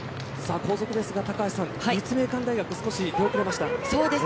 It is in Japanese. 後続ですが立命館大学少し出遅れました。